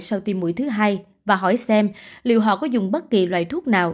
sau tiêm mũi thứ hai và hỏi xem liệu họ có dùng bất kỳ loại thuốc nào